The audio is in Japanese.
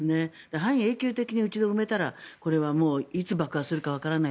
半永久的に一度埋めたらいつ爆発するかわからない。